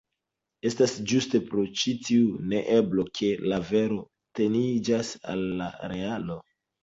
Estas ĝuste pro ĉi tiu neeblo, ke la vero teniĝas al la realo.